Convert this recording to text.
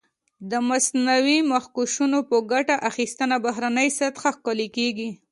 د مصنوعي مخکشونو په ګټه اخیستنه بهرنۍ سطحه ښکلې کېږي.